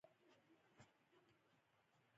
لمریز ځواک د افغانستان طبعي ثروت دی.